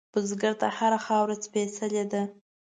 بزګر ته هره خاوره سپېڅلې ده